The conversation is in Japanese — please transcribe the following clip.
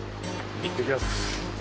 いってきます。